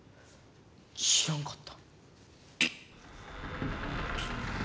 知らんかった。